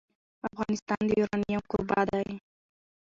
افغانستان د یورانیم کوربه دی.